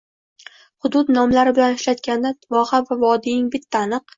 Hudud nomlari bilan ishlatganda voha va vodiyning bitta aniq